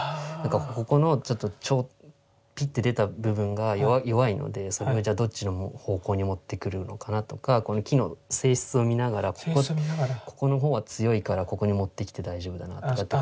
ここのピッて出た部分が弱いのでそれをじゃあどっちの方向に持ってくるのかなとかこの木の性質を見ながらここの方は強いからここに持ってきて大丈夫だなとかって。